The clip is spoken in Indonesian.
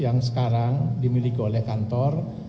yang sekarang dimiliki oleh kantor